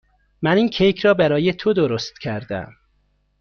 من این کیک را برای تو درست کردم.